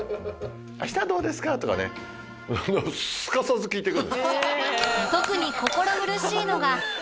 明日はどうですか？とかねすかさず聞いてくる。